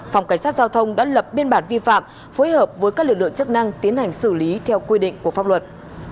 phòng cảnh sát giao thông đã lập biên bản vi phạm phối hợp với các lực lượng chức năng tiến hành xử lý theo quy định của pháp luật